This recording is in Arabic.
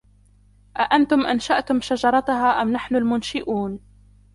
أَأَنتُمْ أَنشَأْتُمْ شَجَرَتَهَا أَمْ نَحْنُ الْمُنشِؤُونَ